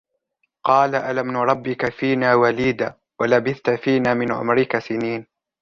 قال ألم نربك فينا وليدا ولبثت فينا من عمرك سنين